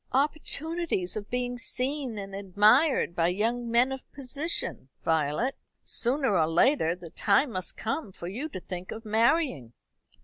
"Opportunities of being seen and admired by young men of position, Violet. Sooner or later the time must come for you to think of marrying."